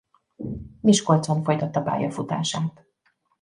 Miskolcon folytatta pályafutását.